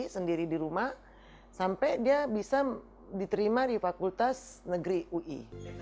sendiri di rumah sampai dia bisa diterima di fakultas negeri ui